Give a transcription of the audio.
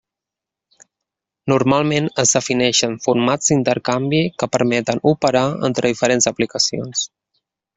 Normalment, es defineixen formats d'intercanvi que permeten operar entre diferents aplicacions.